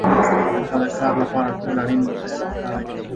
هغه د کار لپاره ټول اړین وسایل په کار اچوي